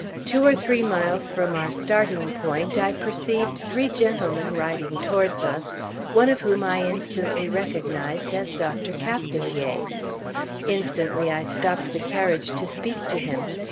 Two or three miles from our starting point, I perceived three gentlemen riding towards us, one of whom I instantly recognized as Dr. Capdevielle. Instantly I stopped the carriage to speak to him.